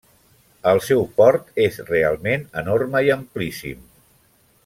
El seu port és realment enorme i amplíssim.